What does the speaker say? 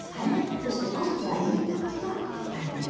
そして昆布は入れたまま炊いて頂きます。